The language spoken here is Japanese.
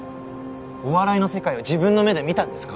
お笑いの世界を自分の目で見たんですか！？